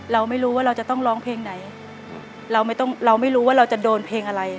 เราไม่รู้ว่าเราจะต้องร้องเพลงไหนเราไม่ต้องเราไม่รู้ว่าเราจะโดนเพลงอะไร